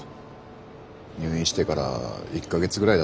入院してから１か月ぐらいだったかな。